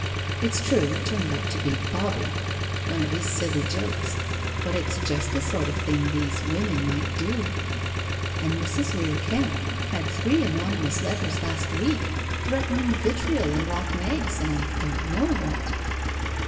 It's true it turned out to be Bobbie — one of his silly jokes — but it's just the sort of thing these women might do, and Mrs. Weir Kemp had three anonymous letters last week threatening vitriol and rotten eggs, and I don't know what.